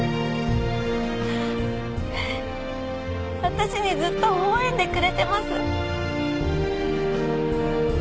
私にずっとほほ笑んでくれてます。